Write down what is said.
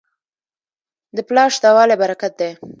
د پلار شته والی برکت دی.